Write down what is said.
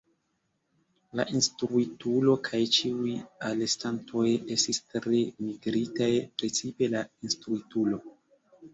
La instruitulo kaj ĉiuj alestantoj estis tre mirigitaj, precipe la instruitulo.